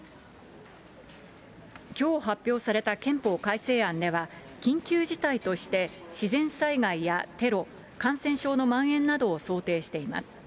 きょう発表された憲法改正案では、緊急事態として自然災害やテロ、感染症のまん延などを想定しています。